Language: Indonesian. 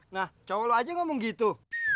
nah cowok lu aja ngomong gitu